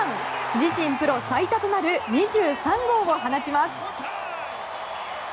自身プロ最多となる２３号を放ちます。